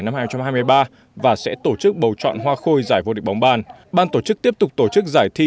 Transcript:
năm hai nghìn hai mươi ba và sẽ tổ chức bầu chọn hoa khôi giải vô địch bóng bàn ban tổ chức tiếp tục tổ chức giải thi